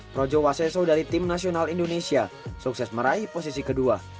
pro jawa seso dari tim nasional indonesia sukses meraih posisi kedua